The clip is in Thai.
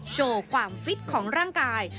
โชว์ความฟิตของร่างกาย